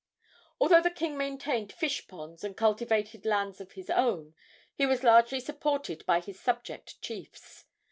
Although the king maintained fish ponds and cultivated lands of his own, he was largely supported by his subject chiefs.